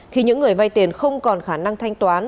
khi những người vay tiền không còn khả năng thanh toán